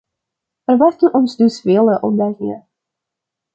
Er wachten ons dus vele uitdagingen.